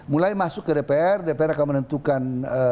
mulai masuk ke dpr dpr akan menentukan